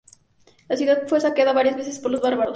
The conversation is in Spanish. La ciudad fue saqueada varias veces por los bárbaros.